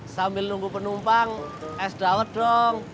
sambil nunggu penumpang es dawet dong